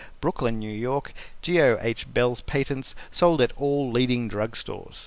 Brooklyn, N. Y. Geo. H. Bells Patents Sold at all leading drug stores.